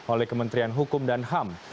oleh kementerian hukum dan ham